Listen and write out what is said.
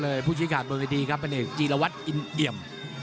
เป็นผู้ชิงขาดบริเวณดีครับเป็นเอกจีรวัติอินเยี่ยม